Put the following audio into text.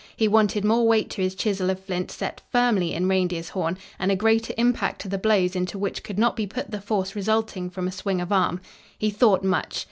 He wanted more weight to his chisel of flint set firmly in reindeer's horn, and a greater impact to the blows into which could not be put the force resulting from a swing of arm. He thought much.